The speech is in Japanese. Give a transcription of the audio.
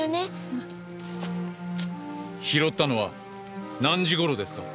拾ったのは何時頃ですか？